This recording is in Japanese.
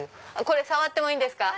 これ触ってもいいんですか？